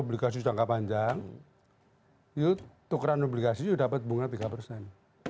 pemerintah keluar obligasi jangka panjang you tukeran obligasi you dapat bunga tiga persen